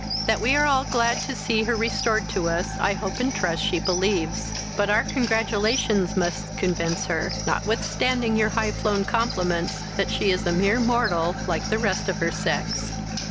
That we are all glad to see her restored to us I hope and trust she believes; but our congratulations must convince her, notwithstanding your high flown compliments, that she is a mere mortal, like the rest of her sex."